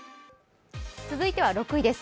続いては６位です。